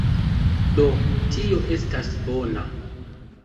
Do, tio estas bona